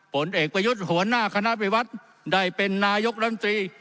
ผลเอกประยุทธ์หัวหน้าคณะไปวัดได้เป็นนายกรัฐมนตรี